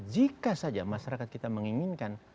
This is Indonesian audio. jika saja masyarakat kita menginginkan